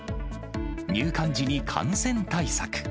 入館時に感染対策。